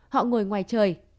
họ ngồi ngoài trời